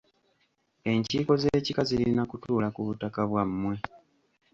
Enkiiko z’ekika zirina kutuula ku butaka bwa mmwe.